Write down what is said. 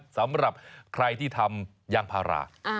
สำหรับใครที่ทำยางพารา